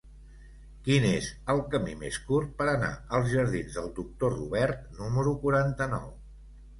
Quin és el camí més curt per anar als jardins del Doctor Robert número quaranta-nou?